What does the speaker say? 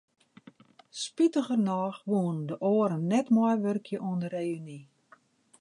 Spitigernôch woene de oaren net meiwurkje oan de reüny.